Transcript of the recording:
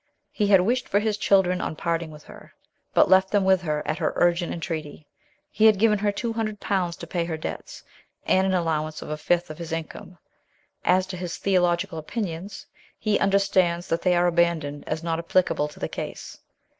He had wished for his children on parting with her, but left them with her at her urgent entreaty. He had RETURN TO ENGLAND. 119 given her two hundred pounds to pay her debts, and an allowance of a fifth of his income. As to his theological opinions, he understands that they are abandoned as not applicable to the case.